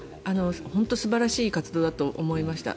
本当に素晴らしい活動だと思いました。